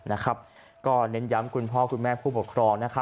เน้นย้ำคุณพ่อคุณแม่ผู้ปกครอง